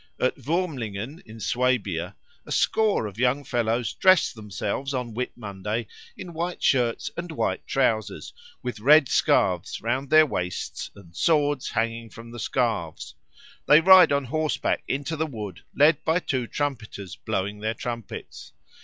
At Wurmlingen, in Swabia, a score of young fellows dress themselves on Whit Monday in white shirts and white trousers, with red scarves round their waists and swords hanging from the scarves. They ride on horseback into the wood, led by two trumpeters blowing their trumpets.